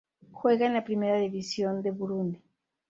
Juega en la Primera División de Burundi.